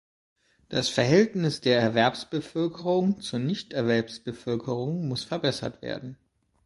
Das Verhältnis der Erwerbsbevölkerung zur Nichterwerbsbevölkerung muss verbessert werden.